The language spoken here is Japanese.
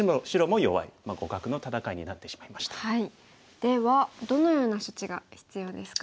ではどのような処置が必要ですか？